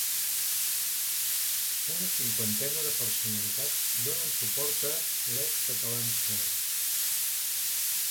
Una cinquantena de personalitats donen suport a ‘Let Catalans Vote’